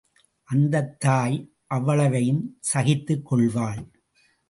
அந்தத் தாய் அவ்வளவையும் சகித்துக் கொள்வாள்.